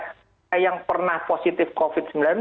kita yang pernah positif covid sembilan belas